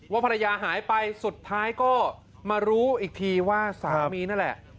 ภรรยาหายไปสุดท้ายก็มารู้อีกทีว่าสามีนั่นแหละ